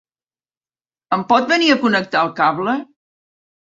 Em pot venir a connectar el cable?